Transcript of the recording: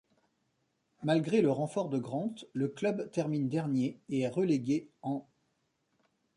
Malgré le renfort de Grant, le club termine dernier et est relégué en '.